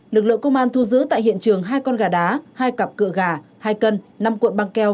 lực lượng công an thu giữ tại hiện trường hai con gà đá hai cặp cựa gà hai cân năm cuộn băng keo